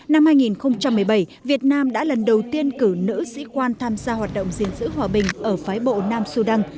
năm hai nghìn một mươi bảy việt nam đã lần đầu tiên cử nữ sĩ quan tham gia hoạt động gìn giữ hòa bình ở phái bộ nam sudan